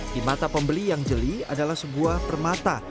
di mata pembeli yang jeli adalah sebuah permata